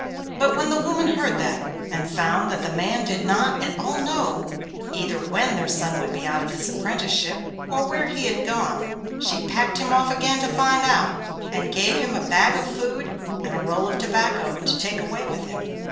But when the woman heard that, and found that the man did not at all know either when their son would be out of his apprentice ship, or where he had gone, she packed him off again to find out, and gave him a bag of food and a roll of tobacco to take away with him.